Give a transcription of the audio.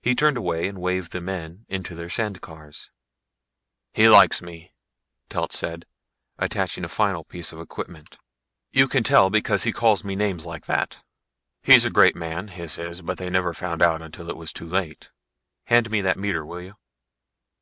He turned away and waved the men into their sand cars. "He likes me," Telt said, attaching a final piece of equipment. "You can tell because he calls me names like that. He's a great man, Hys is, but they never found out until it was too late. Hand me that meter, will you?"